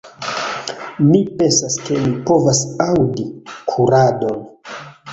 Mi pensas, ke mi povas aŭdi kuradon.